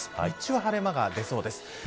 日中は晴れ間が出そうです。